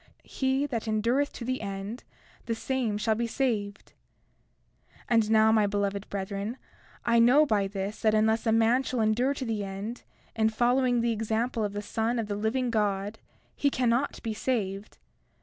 He that endureth to the end, the same shall be saved. 31:16 And now, my beloved brethren, I know by this that unless a man shall endure to the end, in following the example of the Son of the living God, he cannot be saved.